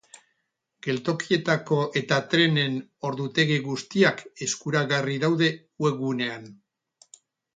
Geltokietako eta trenen ordutegi guztiak eskuragarri daude webgunean.